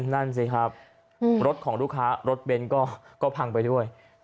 นั่นสิครับรถของลูกค้ารถเบนท์ก็พังไปด้วย